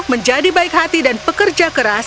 menjadi baik hati dan pekerja keras